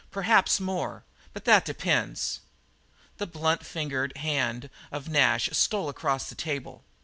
Perhaps more. But that depends." The blunt fingered hand of Nash stole across the table.